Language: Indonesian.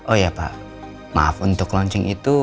oh ya pak maaf untuk launching itu